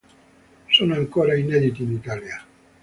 Sono ancora inediti in Italia.